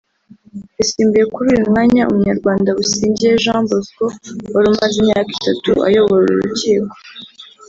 yasimbuye kuri uyu mwanya Umunyarwanda Busingye Jean Bosco wari umaze imyaka itatu ayobora uru rukiko